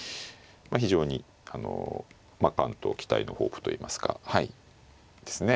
非常に関東期待のホープといいますかはいですね。